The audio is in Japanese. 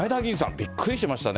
びっくりしましたね。